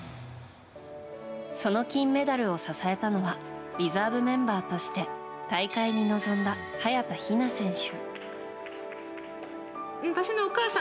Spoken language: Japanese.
その金メダルを支えたのはリザーブメンバーとして大会に臨んだ早田ひな選手。